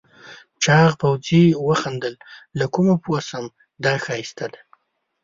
چاغ پوځي وخندل له کومه پوه شم دا ښایسته ده؟